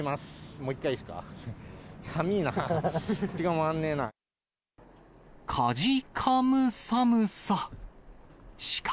もう１回いいですか？